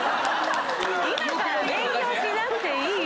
今から勉強しなくていいよ。